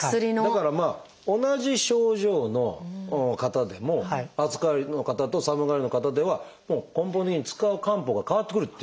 だから同じ症状の方でも暑がりの方と寒がりの方ではもう根本的に使う漢方が変わってくるっていう。